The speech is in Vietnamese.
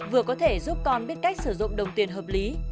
vừa có thể giúp con biết cách sử dụng đồng tiền hợp lý